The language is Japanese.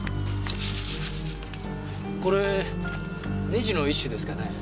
これネジの一種ですかね。